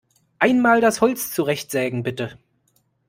Einmal das Holz zurechtsägen, bitte!